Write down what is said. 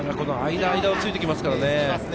間、間をついてきますからね。